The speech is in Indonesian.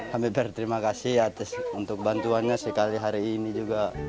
kami berterima kasih atas untuk bantuannya sekali hari ini juga